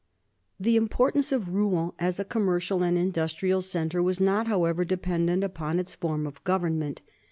The importance of Rouen as a commercial and indus trial centre was not, however, dependent upon its form of government.